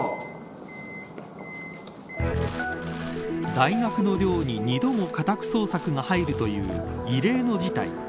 大学の寮に２度も家宅捜索が入るという異例の事態。